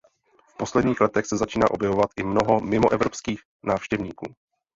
V posledních letech se začíná objevovat i mnoho mimoevropských návštěvníků.